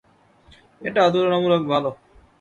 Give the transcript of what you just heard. এটা তুলনামূলক ভালো।